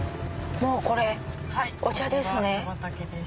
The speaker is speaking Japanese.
もうこれお茶ですね。